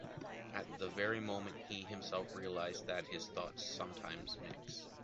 At the very moment he himself realized that his thoughts sometimes mix.